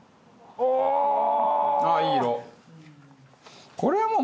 ああいい色。